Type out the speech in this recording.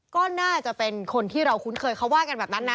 ก็น่าจะเป็นคนที่เราคุ้นเคยเขาว่ากันแบบนั้นนะ